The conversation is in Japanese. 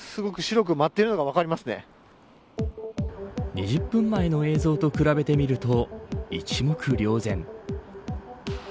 ２０分前の映像と比べてみると一目瞭然。